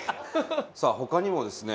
さあ他にもですね